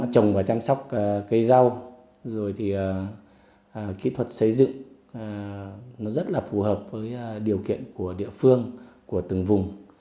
trồng và chăm sóc cây rau rồi thì kỹ thuật xây dựng nó rất là phù hợp với điều kiện của địa phương của từng vùng